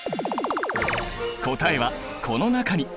答えはこの中に。